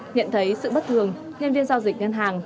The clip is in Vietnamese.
nhận thấy sự bất thường nhân viên giao dịch ngân hàng